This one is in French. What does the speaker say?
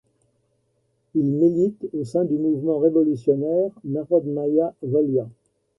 Il milite au sein du mouvement révolutionnaire Narodnaïa Volia.